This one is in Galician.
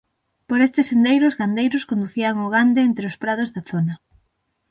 Por este sendeiro os gandeiros conducían o gando entre os prados da zona.